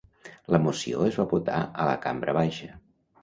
La moció es va votar a la cambra baixa.